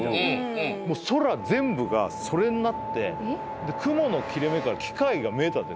空全部がそれになって雲の切れ目から機械が見えたって。